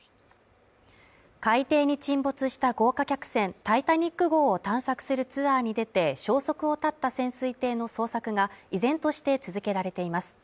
海底に沈没した豪華客船「タイタニック号」を探索するツアーに出て消息を絶った潜水艇の捜索が依然として続けられています。